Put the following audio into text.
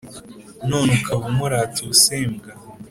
none ukaba umurata ubusembwa